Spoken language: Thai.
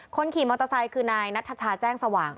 คนขี่มอเตอร์ไซค์คือนายนัทชาแจ้งสว่าง